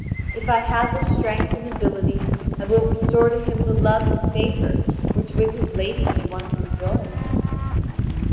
If I have the strength and ability, I will restore to him the love and favour which with his lady he once enjoyed."